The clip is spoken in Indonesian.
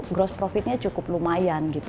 gross profitnya cukup lumayan